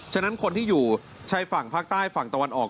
ฉะนั้นคนที่อยู่ชายฝั่งภาคใต้ฝั่งตะวันออก